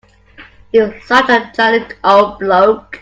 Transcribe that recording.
He was such a jolly old bloke.